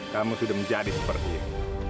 kamu sudah menjadi seperti ini